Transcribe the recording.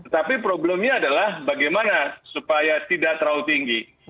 tapi problemnya adalah bagaimana supaya tidak terlalu tinggi